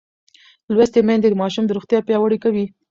لوستې میندې د ماشوم روغتیا پیاوړې کوي.